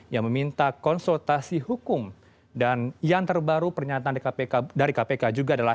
yang meminta konsultasi hukum dan yang terbaru pernyataan dari kpk juga adalah